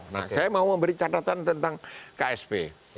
nah saya mau memberi catatan tentang ksp